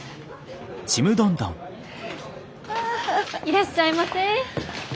いらっしゃいませ。